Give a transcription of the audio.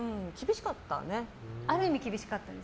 ある意味厳しかったです。